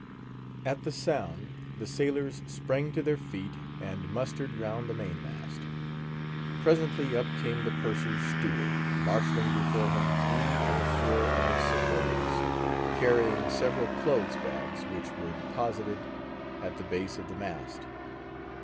At the sound, the sailors sprang to their feet and mustered round the main mast. Presently up came the Purser's steward, marshalling before him three or four of his subordinates, carrying several clothes' bags, which were deposited at the base of the mast.